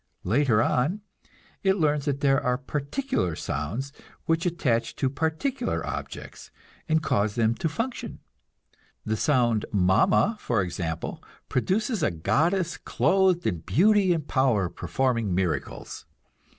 Later on it learns that there are particular sounds which attach to particular objects, and cause them to function. The sound "Mama," for example, produces a goddess clothed in beauty and power, performing miracles.